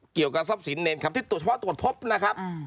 เกี่ยวกับทรัพย์ศิลป์ในเอนคำที่เฉพาะตรวจพบนะครับ